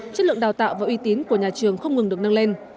chất lượng đào tạo và uy tín của nhà trường không ngừng được nâng lên